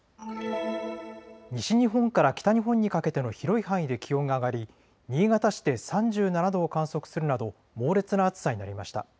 西日本から北日本にかけての広い範囲で気温が上がり新潟市で３７度を観測するなど猛烈な暑さになりました。